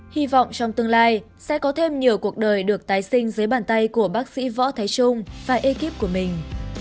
hy vọng trong tương lai sẽ có thêm nhiều cuộc đời được tái sinh dưới bàn tay của bác sĩ võ thái trung và ekip của mình